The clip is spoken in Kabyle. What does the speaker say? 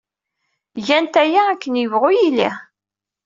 Gant aya, akken yebɣu yili.